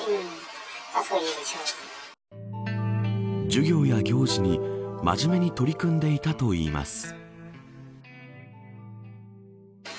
授業や行事に真面目に取り組んでいたといいます。